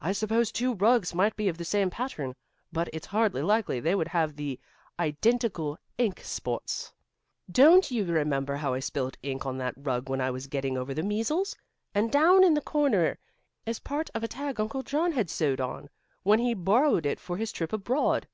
I suppose two rugs might be of the same pattern, but it's hardly likely they would have the identical ink spots. Don't you remember how I spilled the ink on that rug when I was getting over the measles? And down in the corner is part of a tag Uncle John had sewed on, when he borrowed it for his trip abroad.